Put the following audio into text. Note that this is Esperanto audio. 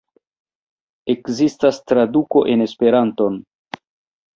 Ekzistas traduko en Esperanton.